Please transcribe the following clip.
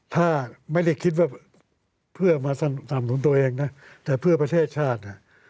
ถ้าไม่ได้คิดว่าเพื่อมาสนับสนุนตัวเองนะแต่เพื่อประเทศชาติเนี่ย